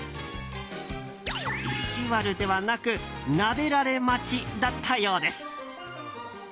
意地悪ではなくなでられ待ちだったようです。